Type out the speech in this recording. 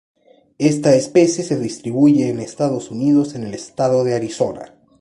Esta especie se distribuye en Estados Unidos en el estado de Arizona.